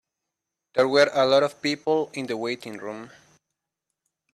There were a lot of people in the waiting room.